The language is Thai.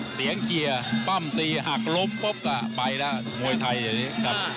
เสียงเชียร์ป้ามตีหักลบปุ๊บก็ไปล่ะมวยไทยอย่างนี้ครับ